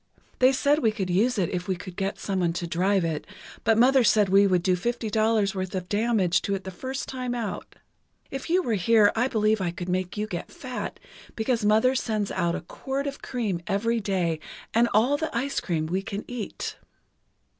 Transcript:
They said we could use it if we could get someone to drive it, but Mother said we would do fifty dollars worth of damage to it the first time out. If you were here I believe I could make you get fat, because Mother sends out a quart of cream every day and all the ice cream we can eat!